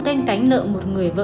canh cánh nợ một người phụ nữ